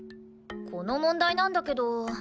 この問題なんだけど。